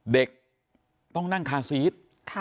เด็กต้องนั่งคาซีส